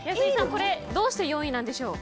これどうして４位なんでしょう。